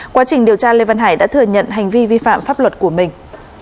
quá trình điều tra lê văn hải đã thừa nhận hành vi vi phạm pháp luật của mình